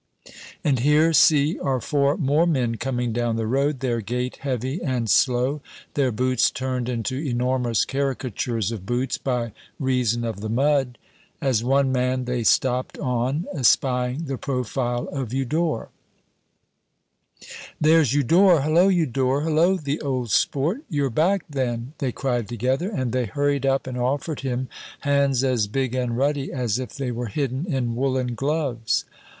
And here, see, are four more men coming down the road, their gait heavy and slow, their boots turned into enormous caricatures of boots by reason of the mud. As one man they stopped on espying the profile of Eudore. "There's Eudore! Hello, Eudore! hello, the old sport! You're back then!" they cried together, as they hurried up and offered him hands as big and ruddy as if they were hidden in woolen gloves.